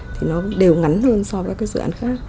thì nó đều ngắn hơn so với các dự án khác